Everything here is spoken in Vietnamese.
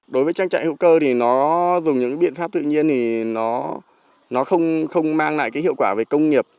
đối với trang trại hữu cơ thì nó dùng những biện pháp tự nhiên thì nó không mang lại cái hiệu quả về công nghiệp